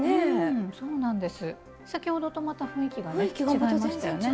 先ほどと雰囲気がね違いましたよね。